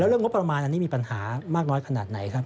เรื่องงบประมาณอันนี้มีปัญหามากน้อยขนาดไหนครับ